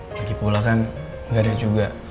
lagi pula kan nggak ada juga